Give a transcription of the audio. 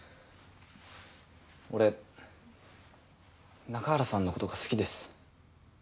俺中原さんのことが好きです。